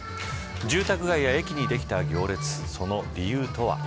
住宅街や駅にできた行列その理由とは。